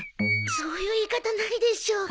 そういう言い方ないでしょ。